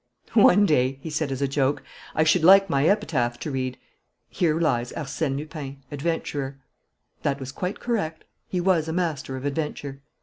"One day," he said, as a joke, "I should like my epitaph to read, 'Here lies Arsène Lupin, adventurer.'" That was quite correct. He was a master of adventure.